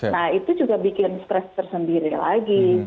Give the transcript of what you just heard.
nah itu juga bikin stres tersendiri lagi